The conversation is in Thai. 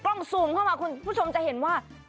ซูมเข้ามาคุณผู้ชมจะเห็นว่า